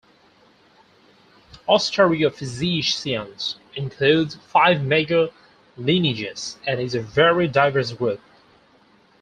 Ostariophysians includes five major lineages and is a very diverse group.